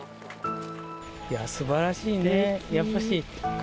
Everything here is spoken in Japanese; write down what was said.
すばらしいね。